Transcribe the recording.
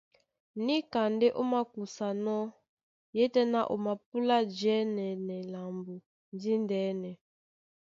Níka ndé ó makusanɔ́, yétɛ̄ná o mapúlá jɛ́nɛnɛ lambo díndɛ̄nɛ.